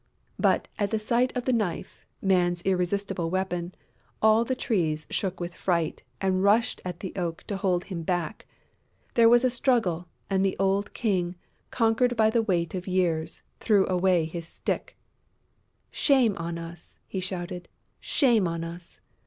But, at the sight of the knife, Man's irresistible weapon, all the Trees shook with fright and rushed at the Oak to hold him back. There was a struggle; and the old King, conquered by the weight of years, threw away his stick: "Shame on us!" he shouted. "Shame on us!